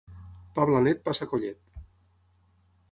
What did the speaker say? Pa blanet passa collet.